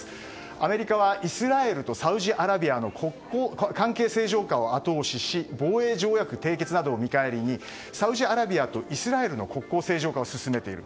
アメリカはイスラエルとサウジアラビアの関係正常化を後押しし防衛条約締結などを見返りにサウジアラビアとイスラエルの国交正常化を進めている。